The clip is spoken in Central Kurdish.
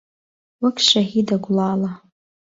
وەک شەهیدە گوڵاڵە